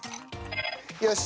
よし！